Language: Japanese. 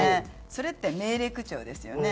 それって命令口調ですよね。